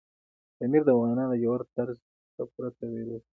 پامیر د افغانانو د ژوند طرز ته پوره تغیر ورکوي.